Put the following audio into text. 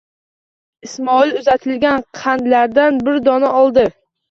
Ismoil uzatilgan qandlardan bir dona oldi.